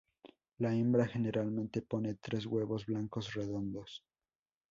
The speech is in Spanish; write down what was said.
La hembra generalmente pone tres huevos blancos redondos.